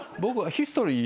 ヒストリー。